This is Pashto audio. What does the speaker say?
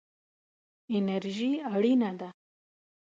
انرژي اړینه ده.